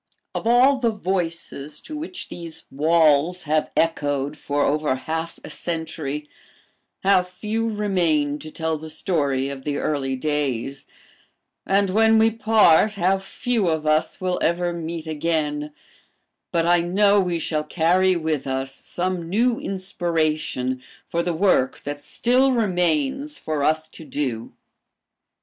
"Of all the voices to which these walls have echoed for over half a century, how few remain to tell the story of the early days, and when we part, how few of us will ever meet again; but I know we shall carry with us some new inspiration for the work that still remains for us to do.